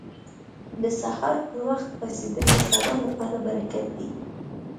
• د سهار پر وخت پاڅېدل د سبا لپاره برکت دی.